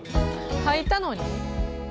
吐いたのに？